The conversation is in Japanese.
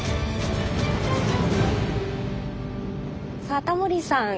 さあタモリさん